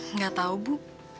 enggak tahu bu